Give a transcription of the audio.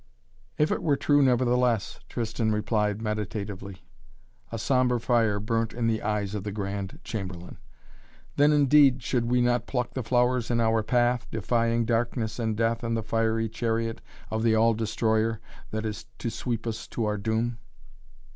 "If it were true nevertheless?" Tristan replied meditatively. A sombre fire burnt in the eyes of the Grand Chamberlain. "Then, indeed, should we not pluck the flowers in our path, defying darkness and death and the fiery chariot of the All destroyer that is to sweep us to our doom?"